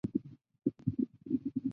瑟普瓦人口变化图示